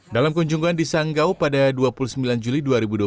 dalam kunjungan di sanggau pada dua puluh sembilan juli dua ribu dua puluh